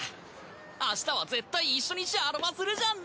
明日は絶対一緒にシャドバするじゃんね！